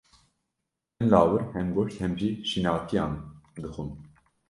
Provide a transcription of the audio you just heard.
Hin lawir hem goşt hem jî şînatiyan dixwin.